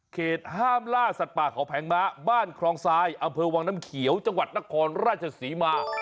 เหตุห้ามล่าสัตว์ป่าเขาแผงม้าบ้านคลองทรายอำเภอวังน้ำเขียวจังหวัดนครราชศรีมา